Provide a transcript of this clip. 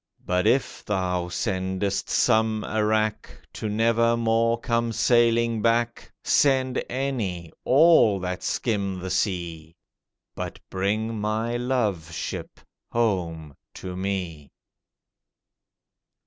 But if thou sendest some a wrack, To never more come sailing back, Send any—all that skim the sea, But bring my love ship home to me.